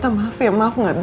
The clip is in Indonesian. nih masalah namanya udah rugi